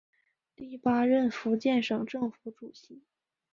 第八任福建省政府主席。